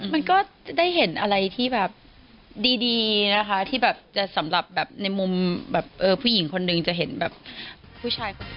มันก็ได้เห็นอะไรที่แบบดีนะคะที่แบบจะสำหรับแบบในมุมแบบเออผู้หญิงคนนึงจะเห็นแบบผู้ชายคนนี้